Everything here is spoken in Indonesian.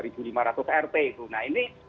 dua lima ratus rt nah ini